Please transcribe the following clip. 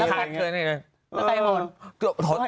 แล้วไปโหน